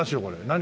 何？